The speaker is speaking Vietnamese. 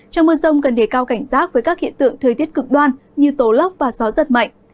trong mưa rông cần để cao cảnh rác với các hiện tượng thời tiết cực đoan như tố lốc và gió rất mạnh